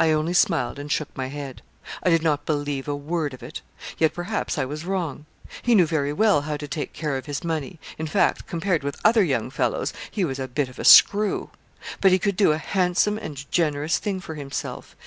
I only smiled and shook my head. I did not believe a word of it. Yet, perhaps, I was wrong. He knew very well how to take care of his money; in fact, compared with other young fellows, he was a bit of a screw. But he could do a handsome and generous thing for himself.